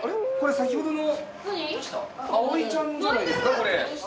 先ほどのアオイちゃんじゃないですか？